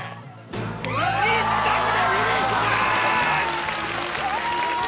１着でフィニッシュ！